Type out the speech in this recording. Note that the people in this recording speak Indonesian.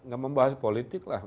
gak membahas politik lah